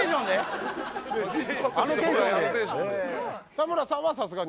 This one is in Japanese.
田村さんはさすがに。